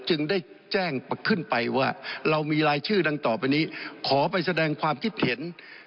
จึงได้แจ้งขึ้นไปว่าเรามีรายชื่อดังต่อไปนี้ขอไปแสดงความคิดเห็น